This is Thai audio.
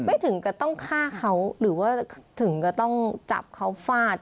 ถึงก็ต้องฆ่าเขาหรือว่าถึงก็ต้องจับเขาฟาด